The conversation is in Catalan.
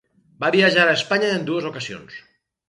Va viatjar a Espanya en dues ocasions.